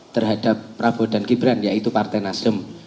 terhadap prabowo dan gibran yaitu partai nasdem